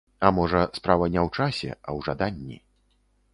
А можа, справа не ў часе, а ў жаданні.